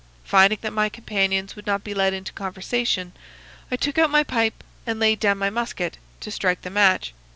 Finding that my companions would not be led into conversation, I took out my pipe, and laid down my musket to strike the match.